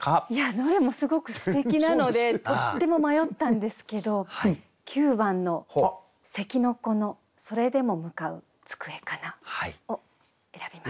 どれもすごくすてきなのでとっても迷ったんですけど９番の「咳の子のそれでも向ふ机かな」を選びました。